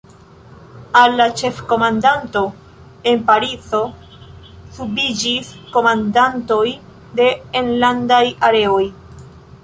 Al la Ĉefkomandanto en Parizo subiĝis komandantoj de enlandaj Areoj.